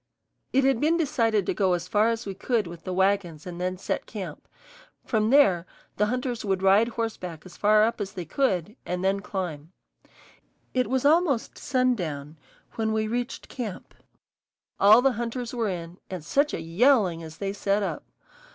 It had been decided to go as far as we could with the wagons and then set camp; from there the hunters would ride horseback as far up as they could and then climb. It was almost sundown when we reached camp. All the hunters were in, and such a yowling as they set up!